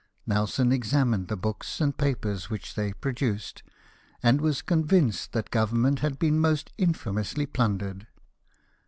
Nelson ex amined the books and papers which they produced, and was convinced that Government had been most infamously plundered.